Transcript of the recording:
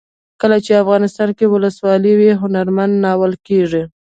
کله چې افغانستان کې ولسواکي وي هنرمندان نازول کیږي.